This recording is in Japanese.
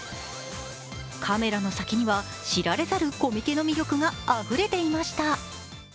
カメラの先には知られざるコミケの魅力があふれていました。